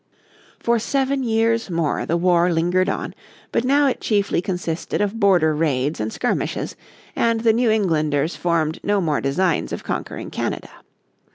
For seven years more the war lingered on, but now it chiefly consisted of border raids and skirmishes, and the New Englanders formed no more designs of conquering Canada.